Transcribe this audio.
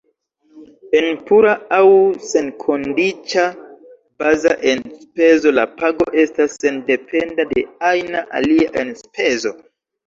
En pura aŭ senkondiĉa baza enspezo la pago estas sendependa de ajna alia enspezo.